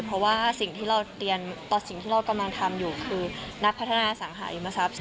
เพราะว่าสิ่งที่เรากำลังทำอยู่คือนักพัฒนาสังหายมทรัพย์